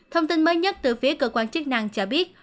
thông tin mới nhất từ phía cơ quan chức năng cho biết